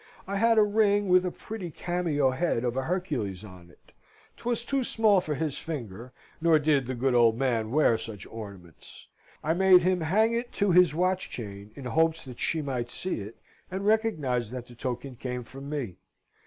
I had a ring with a pretty cameo head of a Hercules on it. 'Twas too small for his finger, nor did the good old man wear such ornaments. I made him hang it to his watch chain, in hopes that she might see it, and recognise that the token came from me.